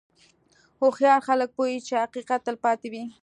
هوښیار خلک پوهېږي چې حقیقت تل پاتې وي.